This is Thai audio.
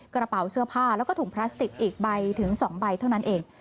กระเป๋าเสื้อผ้าแล้วก็ถุงพลาสติกอีกใบถึง๒ใบเท่านั้นเอง